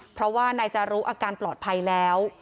เพราะว่านายจารุอาการปลอดภัยแล้ว